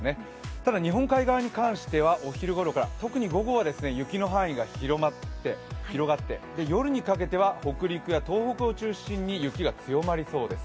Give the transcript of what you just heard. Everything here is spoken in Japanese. ただ、日本海側に関してはお昼ごろから、特に午後は雪の範囲が広がって、夜にかけては北陸や東北を中心に雪が強まりそうです。